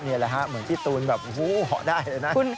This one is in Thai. นี่แหละฮะเหมือนพี่ตูนแบบโอ้โหเหาะได้เลยนะ